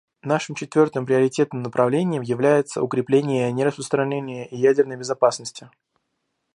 Нашим четвертым приоритетным направлением является укрепление нераспространения и ядерной безопасности.